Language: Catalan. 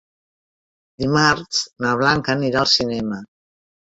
Dimarts na Blanca anirà al cinema.